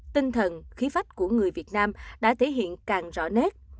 tinh thần khí phách của người việt nam đã thể hiện càng rõ nét